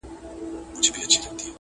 پر غوټۍ د انارګل به شورماشور وي.!